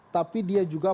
tapi dia juga